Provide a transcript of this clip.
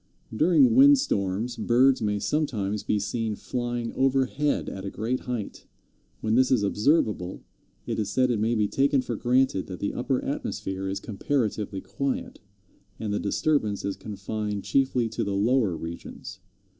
During windstorms birds may sometimes be seen flying overhead at a great height. When this is observable, it is said it may be taken for granted that the upper atmosphere is comparatively quiet, and the disturbance is confined chiefly to the lower regions.